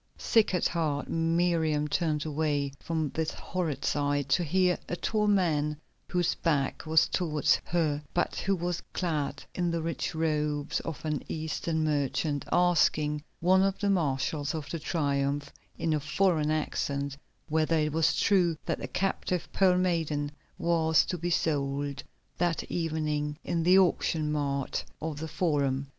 Sick at heart, Miriam turned away from this horrid sight, to hear a tall man, whose back was towards her, but who was clad in the rich robes of an Eastern merchant, asking one of the marshals of the Triumph, in a foreign accent, whether it was true that the captive Pearl Maiden was to be sold that evening in the auction mart of the Forum.